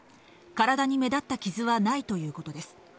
体に目立った傷はないということです。